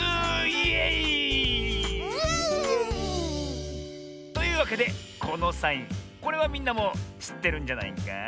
イエイー！というわけでこのサインこれはみんなもしってるんじゃないか？